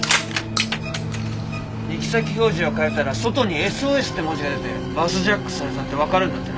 行き先表示を変えたら外に「ＳＯＳ」って文字が出てバスジャックされたってわかるんだってな。